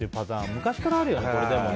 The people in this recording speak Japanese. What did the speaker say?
昔からあるよね、でもね。